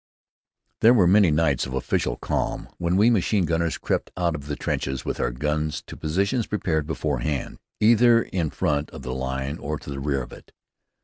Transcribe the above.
There were many nights of official calm when we machine gunners crept out of the trenches with our guns to positions prepared beforehand, either in front of the line or to the rear of it.